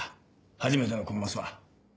初めてのコンマスは。